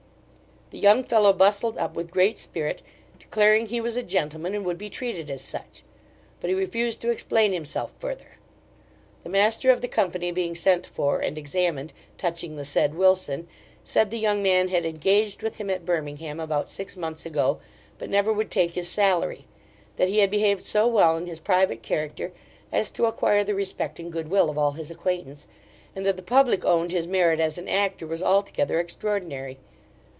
The young fellow bustled up with great spirit, declaring he was a gentleman, and would be treated as such; but he refused to explain himself further. The master of the company being sent for, and examined, touching the said Wilson, said the young man had engaged with him at Birmingham about six months ago; but never would take his salary; that he had behaved so well in his private character, as to acquire the respect and good will of all his acquaintance, and that the public owned his merit as an actor was altogether extraordinary.